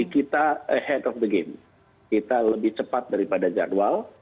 kita ahead of the game kita lebih cepat daripada jadwal